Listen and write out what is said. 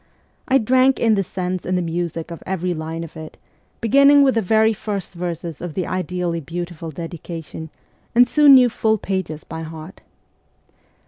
I drank in the sense and the music of every line of it, beginning with the very first verses of the ideally beautiful dedication, and soon knew full pages by heart.